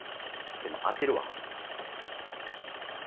でも当てるわ。